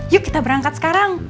yuk kita berangkat sekarang